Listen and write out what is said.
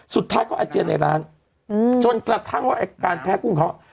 สุดท้ายก็อาเจียนในร้านจนกระทั่งว่าไอ้การแพ้กุ้งเขา